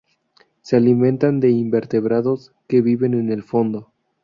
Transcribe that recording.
Se alimentan de invertebrados que viven en el fondo.